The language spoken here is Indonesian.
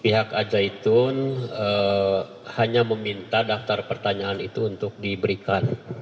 pihak ajaitun hanya meminta daftar pertanyaan itu untuk diberikan